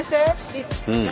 うん。